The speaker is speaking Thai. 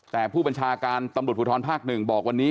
แต่ผู้บัญชาการตำรวจภูทรภาค๑บอกวันนี้